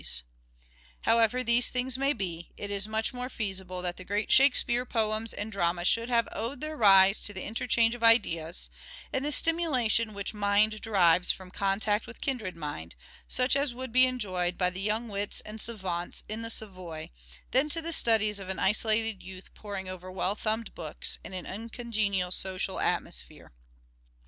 " Shake However these things may be, it is much more speare s dramas a feasible that the great " Shakespeare " poems and product dramas should have owed their rise to the interchange of ideas, and the stimulation which mind derives from contact with kindred mind, such as would be enjoyed by the young wits and savants in the Savoy, than to the studies of an isolated youth poring over well thumbed books in an uncongenial social atmo sphere.